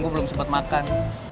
gue belum sempet makan